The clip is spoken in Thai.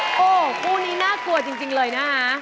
โอ้โหคู่นี้น่ากลัวจริงเลยนะคะ